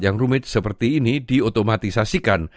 yang rumit seperti ini diutomatisasikan